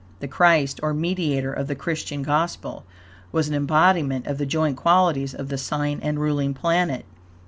The Christ, or mediator, of the Christian Gospel was an embodiment of the joint qualities of the sign and ruling planet.